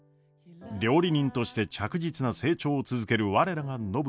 料理人として着実な成長を続ける我らが暢子。